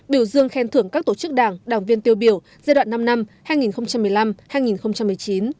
biểu dương khen thưởng các tổ chức đảng đảng viên tiêu biểu giai đoạn năm năm hai nghìn một mươi năm hai nghìn một mươi chín